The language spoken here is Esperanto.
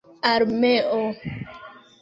armeo